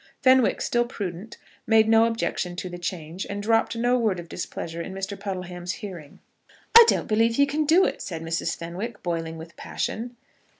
Fenwick, still prudent, made no objection to the change, and dropped no word of displeasure in Mr. Puddleham's hearing. "I don't believe he can do it," said Mrs. Fenwick, boiling with passion.